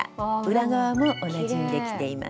裏側も同じにできています。